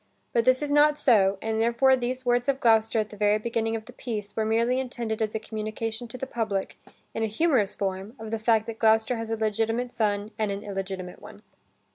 But this is not so, and therefore these words of Gloucester at the very beginning of the piece, were merely intended as a communication to the public in a humorous form of the fact that Gloucester has a legitimate son and an illegitimate one.